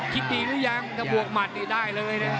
คิดดีหรือยังแต่บวกมัดดีได้เลยเนี่ย